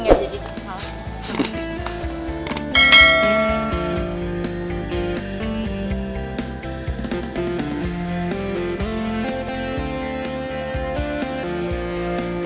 gak jadi males